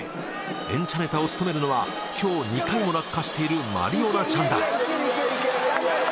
エンチャネタを務めるのは今日２回も落下しているマリオナちゃんだ